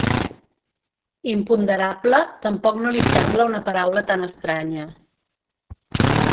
Imponderable tampoc no li sembla una paraula tan estranya.